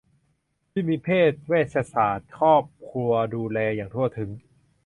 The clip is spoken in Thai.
ที่มีแพทย์เวชศาสตร์ครอบครัวดูแลอย่างทั่วถึง